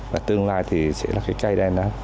và tương lai thì sẽ là cái cây đen nữa